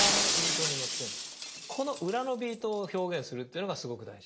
この裏のビートを表現するっていうのがすごく大事。